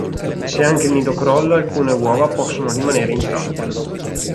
Se anche il nido crolla, alcune uova possono rimanere intatte.